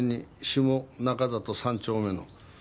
下中里３丁目の。